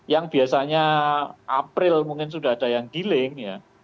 yang biasanya april mungkin sudah ada yang dealing ya